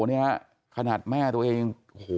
เนี่ยขนาดแม่ตัวเอง